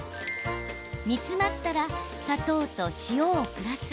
煮詰まったら砂糖と塩をプラス。